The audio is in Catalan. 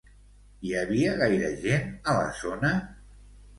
Hi havia gaire gent a la zona?